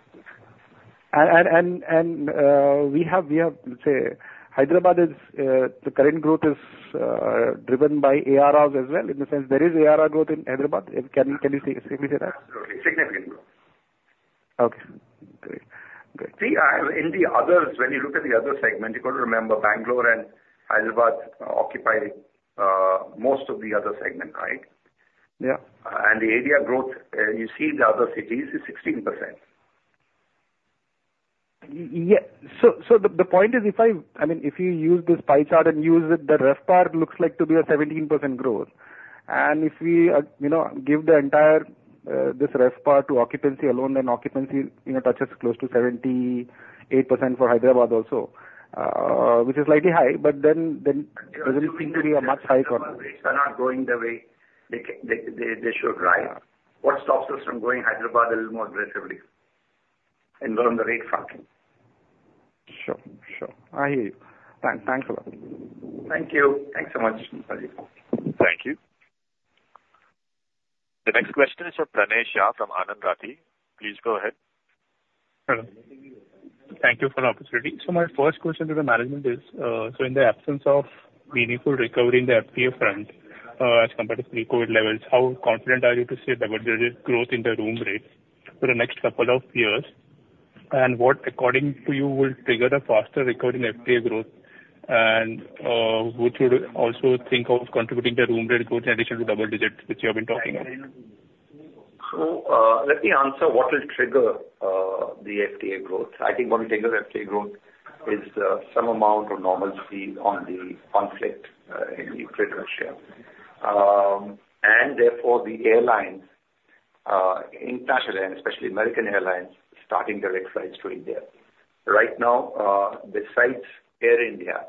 We have, let's say, Hyderabad is the current growth is driven by ARRs as well? In the sense, there is ARR growth in Hyderabad, can you simply say that? Absolutely. Significant growth. Okay, great. Great. See, in the others, when you look at the other segment, you've got to remember Bangalore and Hyderabad occupy most of the other segment, right? Yeah. The ADR growth you see in the other cities is 16%. Yeah. So the point is, if I... I mean, if you use this pie chart and use it, the rest part looks like to be a 17% growth. And if we, you know, give the entire this rest part to occupancy alone, then occupancy, you know, touches close to 78% for Hyderabad also, which is slightly high, but then doesn't seem to be a much high problem. Are not going the way they can, they should, right? Yeah. What stops us from going to Hyderabad a little more aggressively and on the rate front? Sure. Sure. I hear you. Thanks a lot. Thank you. Thanks so much, Rajiv. Thank you. The next question is from Pranay Shah from Anand Rathi. Please go ahead. Hello. Thank you for the opportunity. My first question to the management is, so in the absence of meaningful recovery in the FTA front, as compared to pre-COVID levels, how confident are you to say that there is growth in the room rates for the next couple of years? And what, according to you, will trigger the faster recovery in FTA growth and, would you also think of contributing the room rate growth in addition to double digits, which you have been talking about? Let me answer what will trigger the FTA growth. I think what will trigger FTA growth is some amount of normalcy on the conflict in Ukraine, Russia. And therefore, the airlines, international airlines, especially American Airlines, starting direct flights to India. Right now, besides Air India,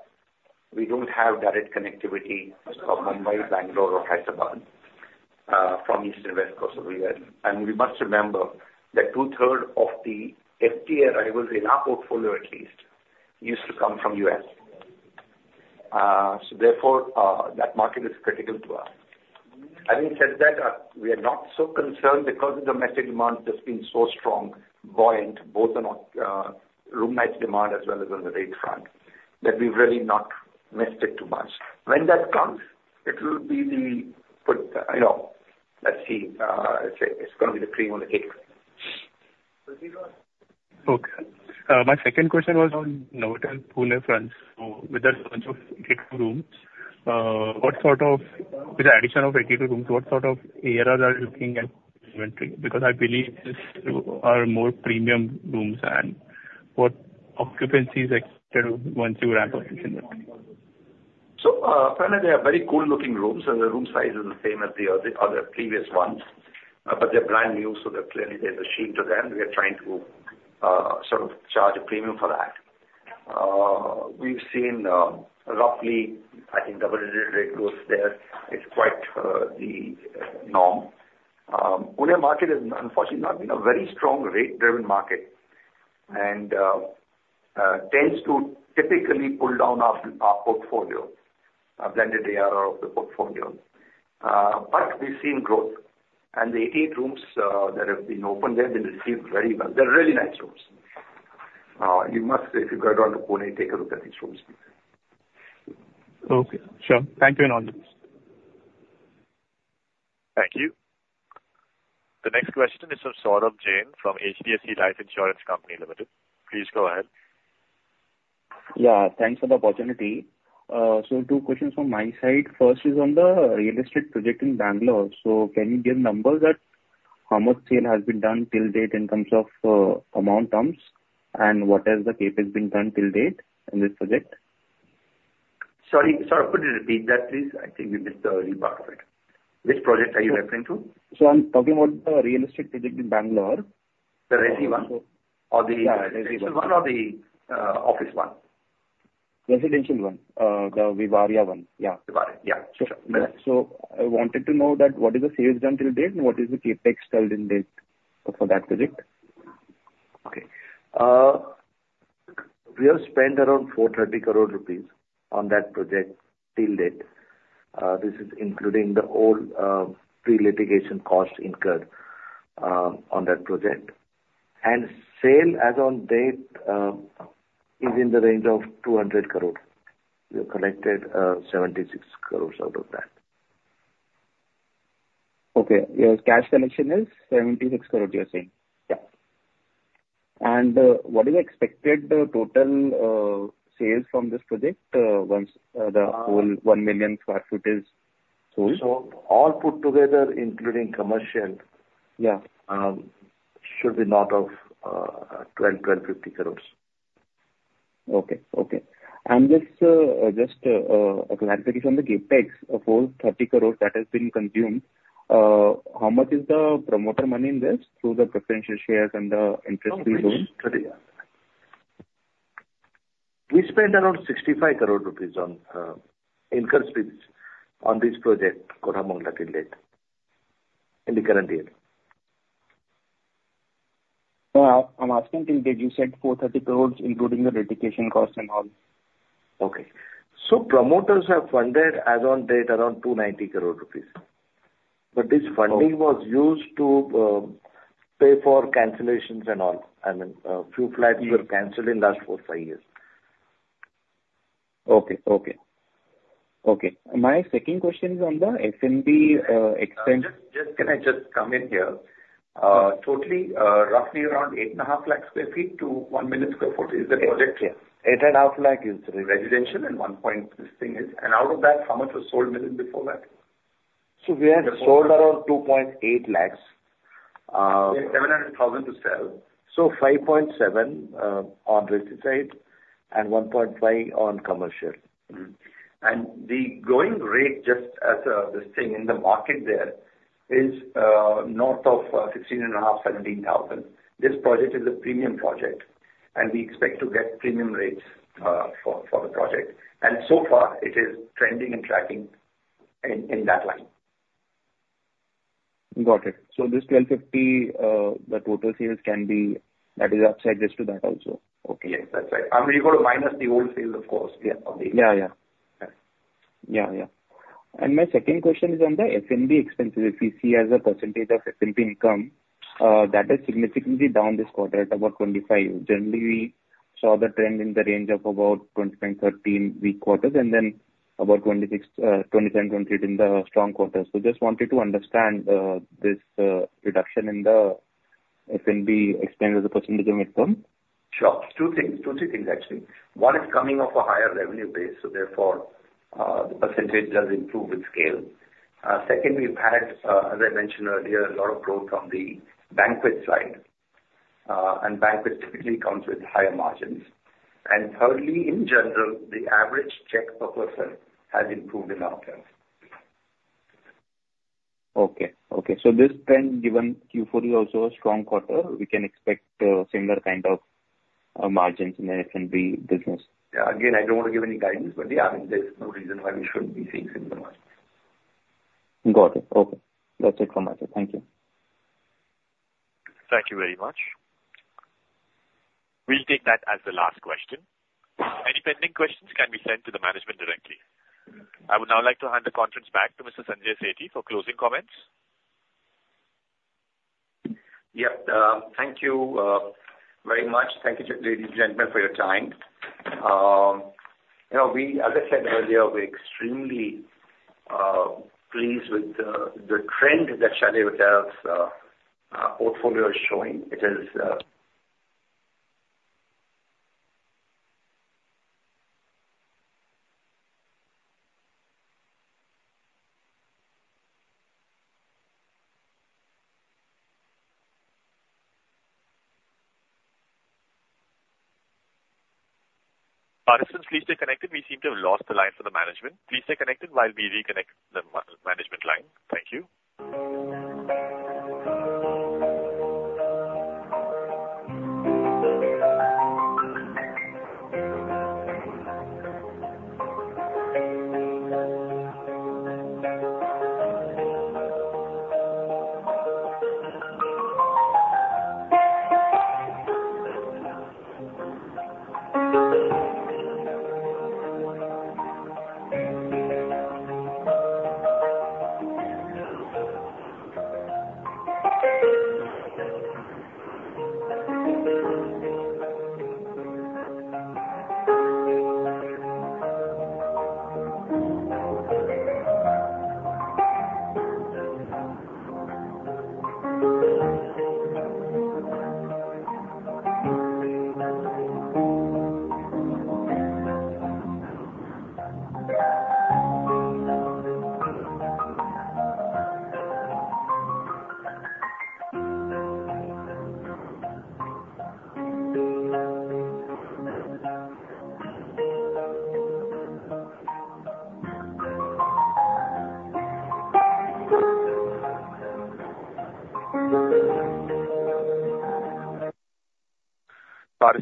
we don't have direct connectivity from Mumbai, Bangalore or Hyderabad, from East and West Coast of the U.S. And we must remember that two-thirds of the FTA arrivals in our portfolio at least used to come from U.S. So therefore, that market is critical to us. Having said that, we are not so concerned because of the domestic demand that's been so strong, buoyant, both on our room nights demand as well as on the rate front, that we've really not missed it too much. When that comes, it will be, you know, let's see, let's say it's gonna be the cream on the cake. Okay. My second question was on Novotel Pune front. So with that bunch of 82 rooms, with the addition of 82 rooms, what sort of ARR are you looking at inventory? Because I believe these are more premium rooms, and what occupancy is expected once you wrap up this investment? So, currently they are very cool looking rooms, and the room size is the same as the other previous ones. But they're brand new, so they're clearly, there's a sheen to them. We are trying to sort of charge a premium for that. We've seen, roughly, I think double digit rate growth there. It's quite the norm. Pune market has unfortunately not been a very strong rate-driven market and tends to typically pull down our portfolio, a blended ARR of the portfolio. But we've seen growth, and the 88 rooms that have been opened there, they received very well. They're really nice rooms. You must, if you go down to Pune, take a look at these rooms. Okay, sure. Thank you, and all the best. Thank you. The next question is from Saurabh Jain, from HDFC Life Insurance Company Limited. Please go ahead. Yeah, thanks for the opportunity. So, two questions from my side. First is on the real estate project in Bangalore. So, can you give numbers that how much sale has been done till date in terms of amount terms, and what has the CapEx been done till date in this project? Sorry, Saurabh, could you repeat that, please? I think we missed the early part of it. Which project are you referring to? I'm talking about the real estate project in Bengaluru. The resi one? Yeah. Or the residential one or the office one? Residential one. The Vivarea one. Yeah. Vivarea. Yeah. Sure. I wanted to know that what is the sales done till date, and what is the CapEx till date for that project? Okay. We have spent around 430 crore rupees on that project till date. This is including the old, pre-litigation costs incurred, on that project. And sales as on date, is in the range of 200 crore. We have collected, 76 crores out of that. Okay, your cash collection is 76 crore, you're saying? Yeah. What is the expected total sales from this project once the whole 1 million sq ft is sold? So all put together, including commercial- Yeah. Should be north of 1,250 crores. Okay. Okay. And just, just, a clarification on the CapEx. Of all 30 crore that has been consumed, how much is the promoter money in this through the preferential shares and, interest free loans? We spent around 65 crore rupees on incurred fees on this project, Koramangala, till date, in the current year. No, I'm asking till date. You said 430 crore, including the litigation costs and all. Okay. So promoters have funded as on date, around 290 crore rupees. But this funding was used to pay for cancellations and all. I mean, a few flats were canceled in last four to five years. Okay. Okay. Okay. My second question is on the F&B expense- Just... Can I just come in here? Totally, roughly around 850,000 sq ft to 1 million sq ft. Is that correct? Yeah. 8.5 lakh is- Residential, and 1 point this thing is... Out of that, how much was sold before that? We had sold around 2.8 lakh.... We have 700,000 to sell. So 5.7 on residential side and 1.5 on commercial. Mm-hmm. The going rate, just as this thing in the market there, is north of 16,500-17,000. This project is a premium project, and we expect to get premium rates for the project. So far it is trending and tracking in that line. Got it. So this 1050, the total sales can be, that is upside just to that also? Okay. Yes, that's right. We've got to minus the old sales, of course. Yeah. Yeah, yeah. Yeah, yeah. And my second question is on the F&B expenses. If we see as a percentage of F&B income, that is significantly down this quarter at about 25%. Generally, we saw the trend in the range of about 29%, in the weak quarters, and then about 26%, 29%, 20% in the strong quarters. So just wanted to understand, this reduction in the F&B expense as a percentage of income. Sure. Two things, two, three things actually. One is coming off a higher revenue base, so therefore, the percentage does improve with scale. Secondly, we've had, as I mentioned earlier, a lot of growth on the banquet side. And banquet typically comes with higher margins. And thirdly, in general, the average check per person has improved in our hotels. Okay. Okay, so this trend, given Q4 FY 2024 is also a strong quarter, we can expect similar kind of margins in the F&B business? Yeah. Again, I don't want to give any guidance, but, yeah, I mean, there's no reason why we shouldn't be seeing similar margins. Got it. Okay. That's it from my side. Thank you. Thank you very much. We'll take that as the last question. Any pending questions can be sent to the management directly. I would now like to hand the conference back to Mr. Sanjay Sethi for closing comments. Yep, thank you, very much. Thank you, ladies and gentlemen, for your time. You know, we, as I said earlier, we're extremely pleased with the trend that Chalet Hotels portfolio is showing. It is... Participants, please stay connected. We seem to have lost the line for the management. Please stay connected while we reconnect the management line. Thank you.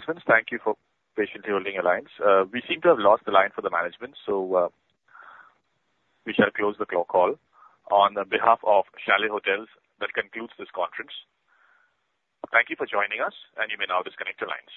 Participants, thank you for patiently holding your lines. We seem to have lost the line for the management, so we shall close the call. On behalf of Chalet Hotels, that concludes this conference. Thank you for joining us, and you may now disconnect your lines.